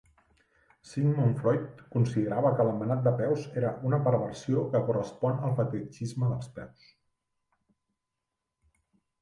Sigmund Freud considerava que l'embenat de peus era una "perversió que correspon al fetitxisme dels peus".